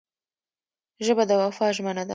ژبه د وفا ژمنه ده